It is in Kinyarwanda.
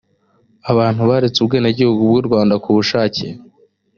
abantu baretse ubwenegihugu bw u rwanda ku bushake